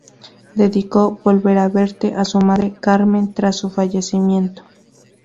Dedicó "Volver a verte" a su madre, Carmen, tras su fallecimiento.